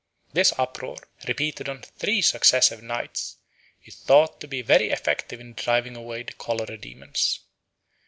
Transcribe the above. This uproar, repeated on three successive nights, is thought to be very effective in driving away the cholera demons.